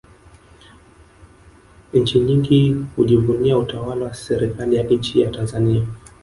nchi nyingi hujivunia utawala wa serikali ya nchi ya tanzania